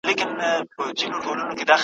له هيبته ډک مخونه `